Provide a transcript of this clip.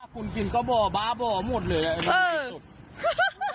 คุณกินก็บ่อบ้าบ่อหมดเลย